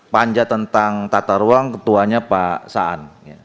panja tentang tata ruang ketuanya pak saan